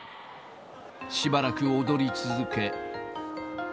しばらく踊り続け。